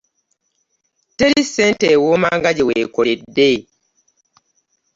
Teri ssente ewooma nga gye weekoledde.